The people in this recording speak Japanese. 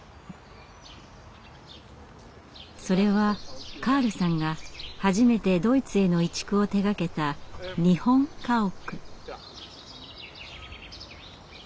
それはカールさんが初めてドイツへの移築を手がけた日本家屋。